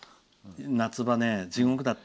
夏場、地獄だった。